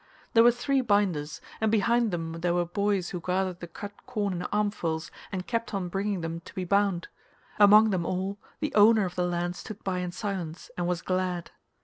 There were three binders, and behind them there were boys who gathered the cut corn in armfuls and kept on bringing them to be bound: among them all the owner of the land stood by in silence and was glad.